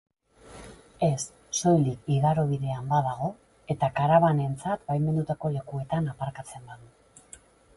Ez, soilik igarobidean badago eta karabanentzat baimendutako lekuetan aparkatzen badu.